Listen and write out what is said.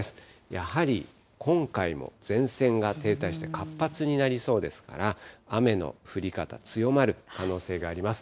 やはり今回も前線が停滞して活発になりそうですから、雨の降り方、強まる可能性があります。